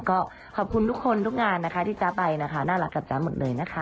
ก็ขอบคุณทุกคนทุกงานนะคะที่จ๊ะไปนะคะน่ารักกับจ๊ะหมดเลยนะคะ